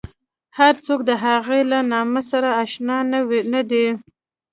هر څوک د هغې له نامه سره اشنا نه دي.